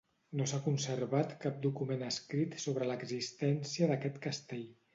No s'ha conservat cap document escrit sobre l'existència d'aquest castell.